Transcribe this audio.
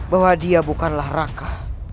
bahwa dia bukanlah raka